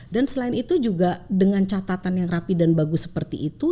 selain itu juga dengan catatan yang rapi dan bagus seperti itu